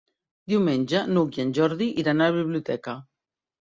Diumenge n'Hug i en Jordi iran a la biblioteca.